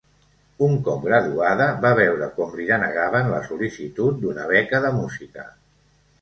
Un cop graduada, va veure com li denegaven la sol·licitud d’una beca de música.